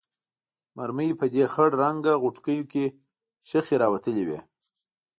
مرمۍ په دې خړ رنګه غوټکیو کې شخې راوتلې وې.